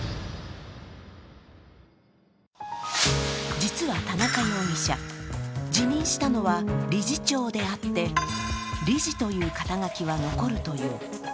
実は、田中容疑者、辞任したのは理事長であって、理事という肩書は残るという。